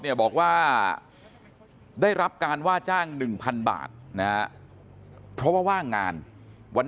เนี่ยบอกว่าได้รับการว่าจ้างหนึ่งพันบาทนะเพราะว่าว่างงานวัน